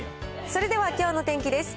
それではきょうの天気です。